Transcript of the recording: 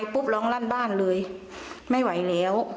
ร้องลั่นบ้านเลยไม่ไหวแล้ว